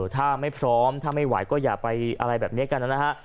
ถ้าไม่พร้อมถ้าไม่ไหวก็อย่าไปอะไรแบบนี้กันนะฮะ